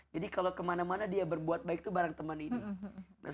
jadi kalau kemana mana dia berbuat baik itu bareng teman ini